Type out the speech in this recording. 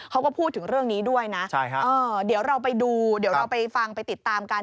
เขาก็พูดถึงเรื่องนี้ด้วยนะเดี๋ยวเราไปดูเดี๋ยวเราไปฟังไปติดตามกัน